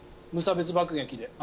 無差別爆撃で。